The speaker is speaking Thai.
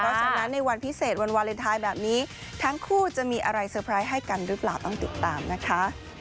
เพราะฉะนั้นในวันพิเศษวันวาเลนไทยแบบนี้ทั้งคู่จะมีอะไรเซอร์ไพรส์ให้กันหรือเปล่าต้องติดตามนะคะ